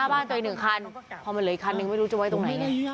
พอมันเหลืออีกคันนึงไม่รู้จะไว้ตรงไหน